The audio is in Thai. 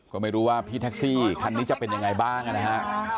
ก็ไม่รู้ว่าพี่แท็กซี่คันนี้จะเป็นยังไงบ้างนะฮะ